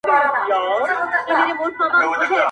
• رباب ګونګی سو مطربان مړه سول -